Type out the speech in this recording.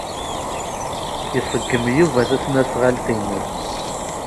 Iṣeggem Yuba tasnasɣalt-nnes.